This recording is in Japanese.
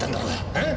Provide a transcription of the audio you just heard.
えっ？